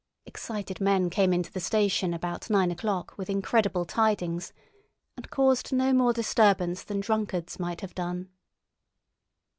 Excited men came into the station about nine o'clock with incredible tidings, and caused no more disturbance than drunkards might have done.